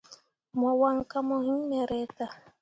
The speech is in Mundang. Mo wan kah mo hiŋ me reta.